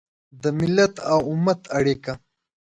د ملت او امت اړیکه